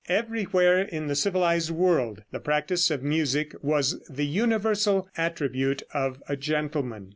Everywhere in the civilized world the practice of music was the universal attribute of a gentleman.